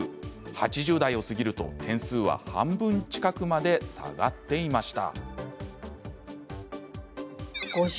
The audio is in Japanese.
８０代を過ぎると、点数は半分近くまで下がっていました。